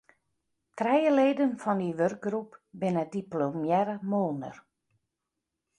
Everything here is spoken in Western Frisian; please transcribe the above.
Trije leden fan dy wurkgroep binne diplomearre moolner.